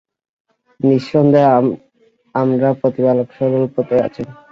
নিঃসন্দেহে আমার প্রতিপালক সরল পথে আছেন।